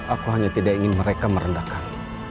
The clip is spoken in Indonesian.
aku hanya tidak ingin mereka merendahkan